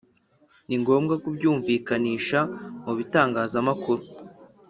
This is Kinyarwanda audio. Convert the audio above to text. Ni ngombwa kubyumvikanisha mu bitangazamakuru